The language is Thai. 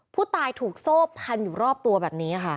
ผู้ตายถูกโซ่พันอยู่รอบตัวแบบนี้ค่ะ